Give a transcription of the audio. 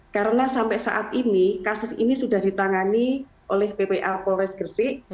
karena sampai saat ini kasus ini sudah ditangani oleh ppa polres gresik